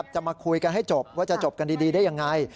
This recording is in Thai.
จะมาคุยกันให้จบว่าจะจบกันดีได้ยังไง